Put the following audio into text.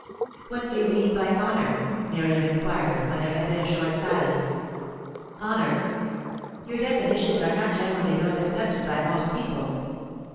"What do you mean by honour?" Miriam inquired, when there had been a short silence. "Honour?" "Your definitions are not generally those accepted by most people."